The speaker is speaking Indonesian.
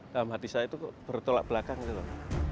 dalam hati saya itu kok bertolak belakang gitu loh